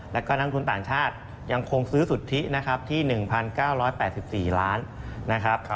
แล้วก็นักทุนต่างชาติยังคงซื้อสุทธินะครับที่๑๙๘๔ล้านนะครับ